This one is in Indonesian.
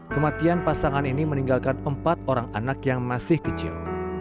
kematian pasangan ini meninggalkan empat orang anak yang masih kecil